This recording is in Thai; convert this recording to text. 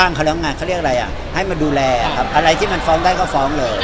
ตั้งคำนักงานเค้าเรียกอะไรอ่ะให้มาดูแลอะไรที่มันฟ้องได้ก็ฟ้องเลย